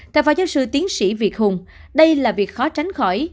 theo phó giáo sư tiến sĩ việt hùng đây là việc khó tránh khỏi